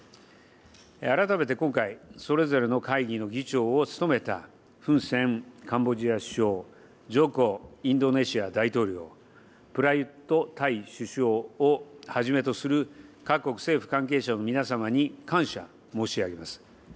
改めて今回、それぞれの会議の議長を務めたフン・センカンボジア首相、ジョコインドネシア大統領、プラユットタイ首相をはじめとする、各国政府関係者の皆様に感謝申し上げます。